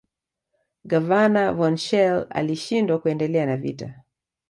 Gavana Von schelle alishindwa kuendelea na vita